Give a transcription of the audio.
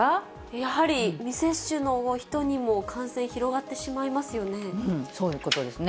やはり未接種の人にも感染広そういうことですね。